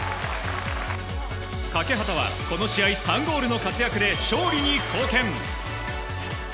欠端はこの試合、３ゴールの活躍で勝利に貢献。